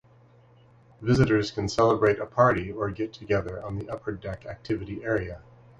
Visitors can celebrate a party or get together on the Upper Deck Activity Area.